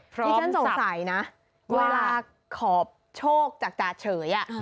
ที่ฉันสงสัยนะเวลาขอโชคจากจ่าเฉย